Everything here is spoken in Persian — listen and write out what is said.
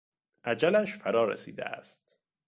اجلش فرا رسیده است.